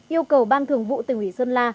yêu cầu ban thường vụ tỉnh ủy sơn la